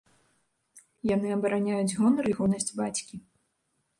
Яны абараняюць гонар і годнасць бацькі.